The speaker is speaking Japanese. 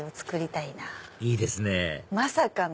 いいですねまさかの。